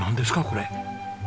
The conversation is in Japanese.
これ。